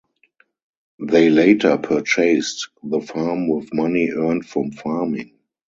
They later purchased the farm with money earned from farming.